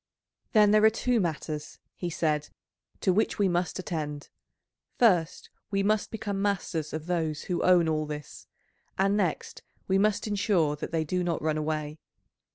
"Then there are two matters," he said, "to which we must attend; first we must become masters of those who own all this, and next we must ensure that they do not run away.